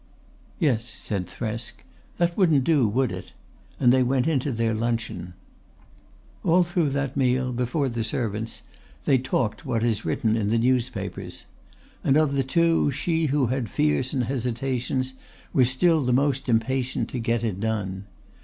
"Yes," said Thresk. "That wouldn't do, would it?" and they went in to their luncheon. All through that meal, before the servants, they talked what is written in the newspapers. And of the two she who had fears and hesitations was still the most impatient to get it done.